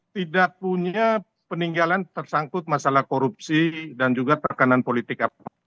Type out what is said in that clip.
tidak punya peninggalan tersangkut masalah korupsi dan juga tekanan politik